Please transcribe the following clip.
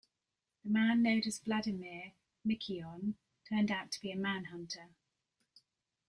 The man known as Vladimir Mikoyan turned out to be a Manhunter.